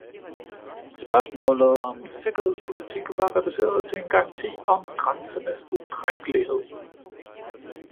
Spørgsmålet om sikkerhedspolitik var reduceret til en garanti om grænsernes ukrænkelighed.